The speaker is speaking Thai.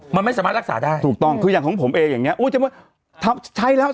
มันไม่สามารถรักษาได้ถูกต้องคืออย่างของผมเองอย่างเงี้อุ้ยถ้าใช้แล้ว